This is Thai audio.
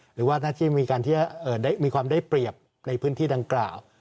หรือหน้าที่จะมีความได้เปรียบในพื้นที่ดังกล่าว